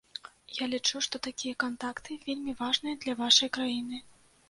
Я лічу, што такія кантакты вельмі важныя для вашай краіны.